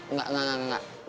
enggak enggak enggak